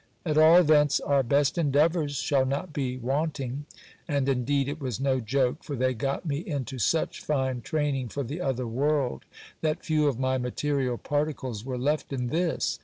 At all events, our best endeavours shall not be want ing. And indeed it was no joke : for they got me into such fine training for the other world, that few of my material particles were left in this.